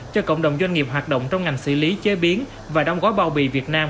cho cộng đồng doanh nghiệp hoạt động trong ngành xử lý chế biến và đong gói bao bì việt nam